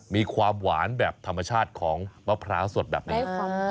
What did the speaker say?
มีความหวานแบบธรรมชาติของมะพร้าวสดแบบนี้